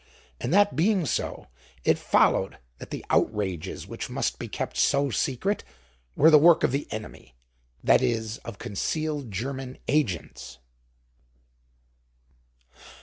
And that being so, it followed that the outrages which must be kept so secret were the work of the enemy, that is of concealed German agents.